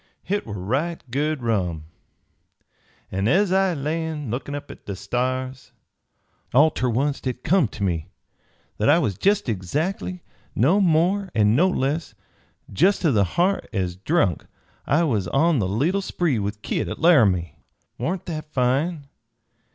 Hit war right good rum, an ez I lay lookin' up at the stars, all ter oncet hit come ter me that I was jest exactly, no more an' no less, jest ter the ha'r, ez drunk I was on the leetle spree with Kit at Laramie. Warn't that fine?